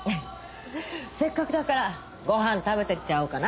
せっかくだからご飯食べてっちゃおうかな。